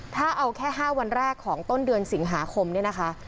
ถ้าเอาแค่๕วันแรกของต้นเดือนสิงหาคมเนี่ยนะคะ